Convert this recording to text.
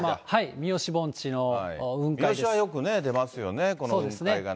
三次はよく出ますよね、この雲海がね。